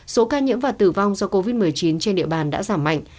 số ca nhiễm và tử vong do covid một mươi chín trên địa bàn đã giảm mạnh